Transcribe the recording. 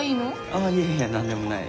ああいやいや何でもない。